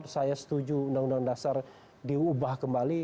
saya setuju undang undang dasar diubah kembali